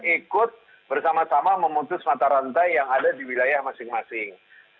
ikut bersama sama memutus mata rantai yang ada di wilayah masing masing